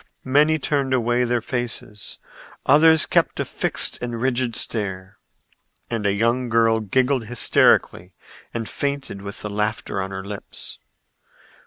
Many turned away their faces; others kept a fixed and rigid stare, and a young girl giggled hysterically and fainted with the laughter on her lips.